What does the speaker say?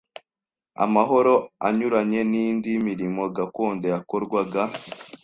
amahooro anyuranye n indi mirimo gakondo yakorwaga